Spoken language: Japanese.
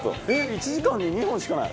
１時間に２本しかない。